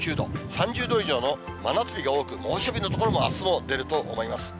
３０度以上の真夏日が多く、猛暑日の所もあすも出ると思います。